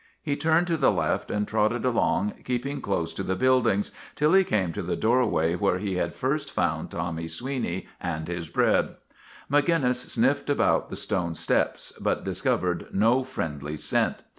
He turned to the left and trotted along, keeping close to the buildings, till he came to the doorway where he had first found Tommy Sweeney and his bread. Maginnis sniffed about the stone steps, but dis covered no friendly scent.